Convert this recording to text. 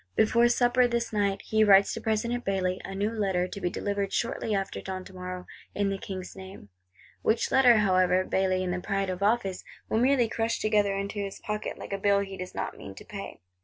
Before supper, this night, he writes to President Bailly, a new Letter, to be delivered shortly after dawn tomorrow, in the King's name. Which Letter, however, Bailly in the pride of office, will merely crush together into his pocket, like a bill he does not mean to pay.